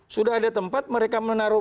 sudah ada tempat mereka menaruh